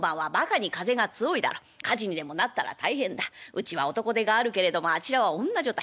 うちは男手があるけれどもあちらは女所帯。